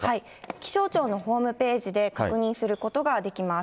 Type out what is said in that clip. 気象庁のホームページで確認することができます。